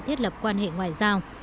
thiết lập quốc gia mỹ